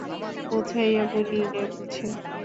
বুঝাইয়া বলিলে বুঝে।